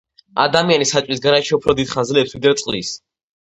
ადამიანი საჭმლის გარეშე უფრო დიდ ხანს ძლებს ვიდრე წყლის